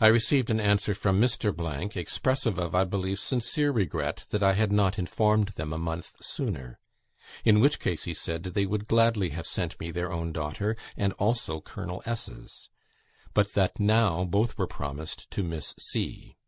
I received an answer from Mr. expressive of, I believe, sincere regret that I had not informed them a month sooner, in which case, he said, they would gladly have sent me their own daughter, and also Colonel S.'s, but that now both were promised to Miss C.